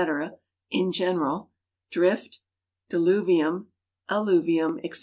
in general, "drift," "dilu vium," " alluvium," etc.